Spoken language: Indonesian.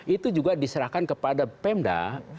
itu juga diserahkan kepada pemda